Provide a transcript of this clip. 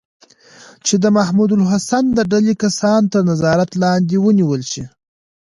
چې د محمود الحسن د ډلې کسان تر نظارت لاندې ونیول شي.